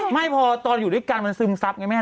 ไม่พอตอนอยู่ด้วยกันแล้วมันซึมทรัพย์ไงแม่